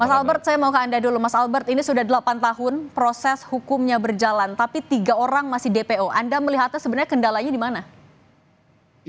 mas albert saya mau ke anda dulu mas albert ini sudah delapan tahun proses hukumnya berjalan tapi tiga orang masih dpo anda melihatnya sebenarnya kendalanya di mana